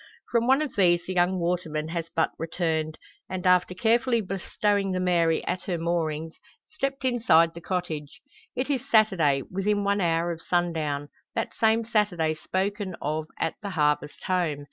From one of these the young waterman has but returned; and, after carefully bestowing the Mary at her moorings, stepped inside the cottage. It is Saturday within one hour of sundown that same Saturday spoken of "at the Harvest Home."